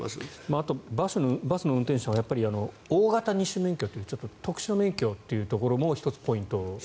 あとバスの運転手はやっぱり大型二種免許という特殊な免許というところも１つ、ポイント。